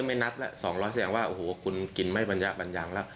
ไม่นับแล้ว๒๐๐แสดงว่าโอ้โหคุณกินไม่บรรยะบัญญังแล้ว